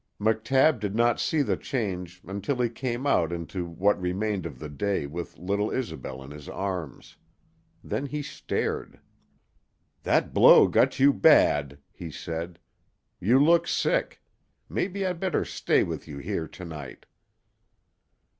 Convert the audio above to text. McTabb did not see the change until he came out into what remained of the day with little Isobel in his arms. Then he stared. "That blow got you bad," he said. "You look sick. Mebbe I'd better stay with you here to night."